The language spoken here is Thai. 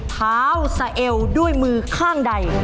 เท้าสะเอวด้วยมือข้างใด